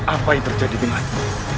apa yang terjadi denganmu